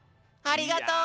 ありがとう！